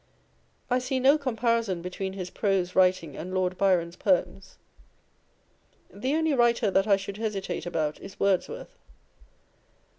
I see no comparison between his prose writing and Lord Byron's poems. The only writer that I should hesitate about is Wordsworth.